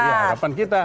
itu harapan kita